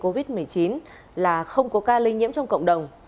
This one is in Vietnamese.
covid một mươi chín là không có ca lây nhiễm trong cộng đồng